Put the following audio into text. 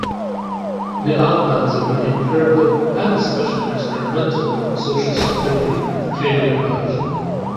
The outlines of an empirical, and especially an experimental, social psychology have clearly emerged.